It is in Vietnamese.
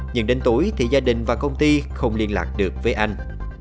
nhưng đến tuổi thì gia đình và công ty không liên lạc được với anh